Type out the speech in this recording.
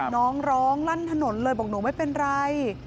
น้องร้องลั่นถนนเลยบอกหนูไม่เป็นไร